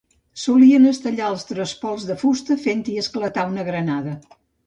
Solien estellar els trespols de fusta fent-hi esclatar una granada.